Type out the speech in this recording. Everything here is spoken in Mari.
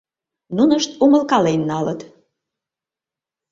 Нунышт умылкален налыт.